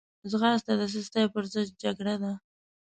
ځغاسته د سستي پر ضد جګړه ده